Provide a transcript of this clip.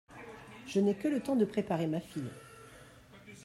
Je n’ai que le temps de préparer ma fille…